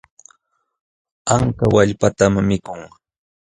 Anka wallpatan mikun.